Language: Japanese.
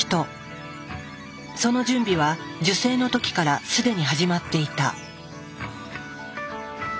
その準備は受精の時からすでに始まっていた。